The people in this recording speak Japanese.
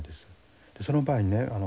その場合にね